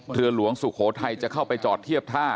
เรือหลวงสุโขทัยจะเข้าไปจอดเทียบท่า